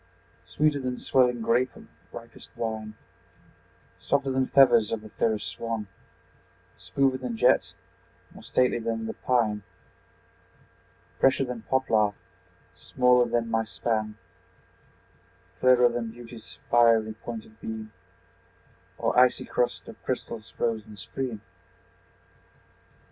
Sweeter than swelling grape of ripest wine, Softer than feathers of the fairest swan, Smoother than jet, more stately than the pine, Fresher than poplar, smaller than my span, Clearer than beauty's fiery pointed beam, Or icy crust of crystal's frozen stream.